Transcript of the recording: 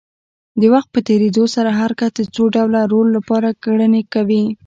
د وخت په تېرېدو سره هر کس د څو ډوله رول لپاره کړنې کوي.